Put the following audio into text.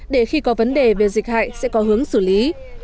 để khi có vấn đề về dịch hại sẽ có hướng xử lý